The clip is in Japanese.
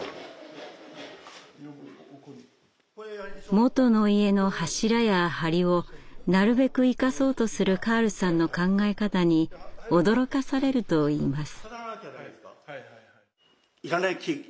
もとの家の柱や梁をなるべく生かそうとするカールさんの考え方に驚かされるといいます。